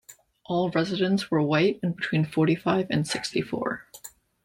All residents were white and between forty-five and sixty-four.